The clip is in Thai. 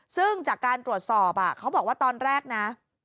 ซึ่งจากการตรวจสอบเขาบอกว่าตอนแรกนะ